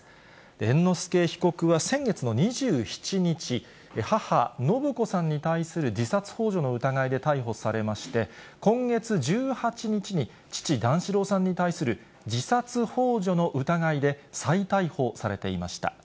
猿之助被告は先月の２７日、母、延子さんに対する自殺ほう助の疑いで逮捕されまして、今月１８日に、父、段四郎さんに対する自殺ほう助の疑いで再逮捕されていました。